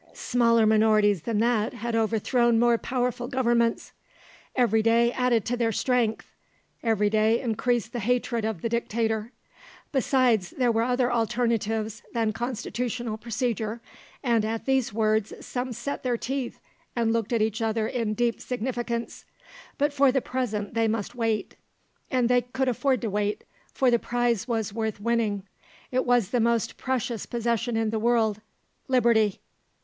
Smaller minorities than that had overthrown more powerful Governments. Every day added to their strength; every day increased the hatred of the Dictator. Besides, there were other alternatives than constitutional procedure, and at these words some set their teeth and looked at each other in deep significance but for the present they must wait; and they could afford to wait, for the prize was worth winning. It was the most precious possession in the world, liberty.